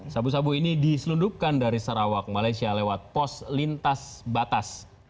sabu sabu ini diselundupkan dari sarawak malaysia lewat pos lintas batas